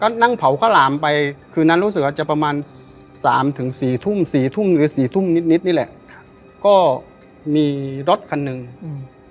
ก็นั่งเผาข้าวหลามไปคืนนั้นรู้สึกว่าจะประมาณสามถึงสี่ทุ่มสี่ทุ่มหรือสี่ทุ่มนิดนิดนี่แหละก็มีรถคันหนึ่งอืม